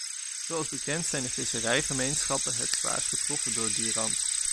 Zoals bekend zijn de visserijgemeenschappen het zwaarst getroffen door die ramp.